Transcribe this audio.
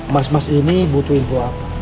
mas emas ini butuh info apa